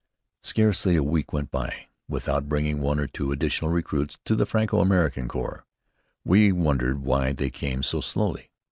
Scarcely a week went by without bringing one or two additional recruits to the Franco American Corps. We wondered why they came so slowly.